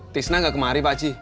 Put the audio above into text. tisna nggak kemarin pak ji